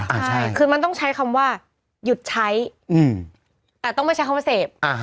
ใช่คือมันต้องใช้คำว่าหยุดใช้แต่ต้องไม่ใช้คำว่าเสพ